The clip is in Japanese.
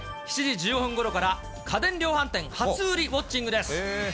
７時１５分ごろから、家電量販店初売りウオッチングです。